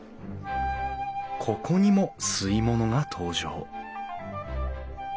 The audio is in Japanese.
ここにも吸い物が登場